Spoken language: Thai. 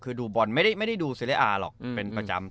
คือดูบอลไม่ได้ดูซีเรียอาร์หรอกเป็นประจำ